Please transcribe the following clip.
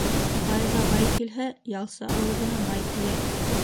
Байға бай килһә, ялсы ауыҙына май тейә.